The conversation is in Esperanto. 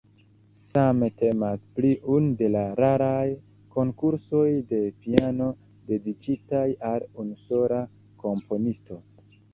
Same temas pri unu de raraj konkursoj de piano dediĉitaj al unusola komponisto.